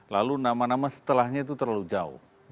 lalu nama nama setelahnya itu terlalu jauh